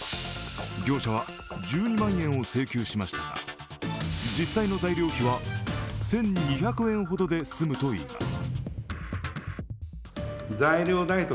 業者は１２万円を請求しましたが、実際の材料費は１２００円ほどで済むといいます。